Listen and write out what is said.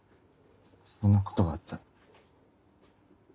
そそんなことがあったら。